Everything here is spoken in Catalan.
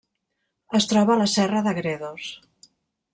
Es troba a la serra de Gredos.